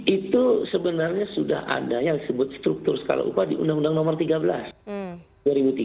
itu sebenarnya sudah ada yang disebut struktur skala upah di undang undang nomor tiga belas